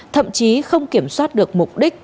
thậm chí không kiểm soát được mục đích